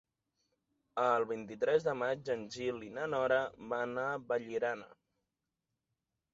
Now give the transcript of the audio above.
El vint-i-tres de maig en Gil i na Nora van a Vallirana.